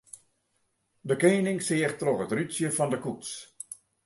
De kening seach troch it rútsje fan de koets.